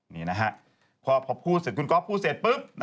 นี่นะฮะพอพูดเสร็จคุณก๊อฟพูดเสร็จปุ๊บ